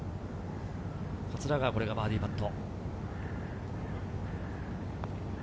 桂川のバーディーパット。